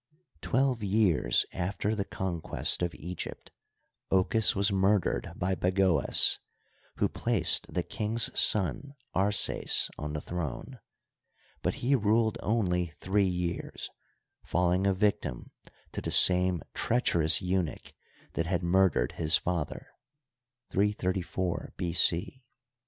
Twelve years after the conquest of Egypt Ochus was murdered by Bago^s, who placed the king's son Arses on the throne, but he ruled only three years, falling a victim to the same treacherous eunuch that had murdered his father (334 B.C.).